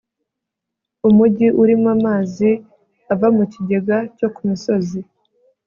umujyi urimo amazi ava mu kigega cyo ku misozi